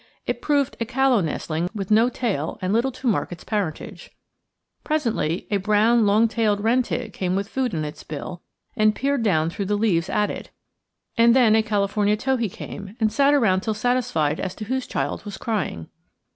It proved a callow nestling, with no tail, and little to mark its parentage. Presently a brown long tailed wren tit came with food in its bill and peered down through the leaves at it; and then a California towhee came and sat around till satisfied as to whose child was crying.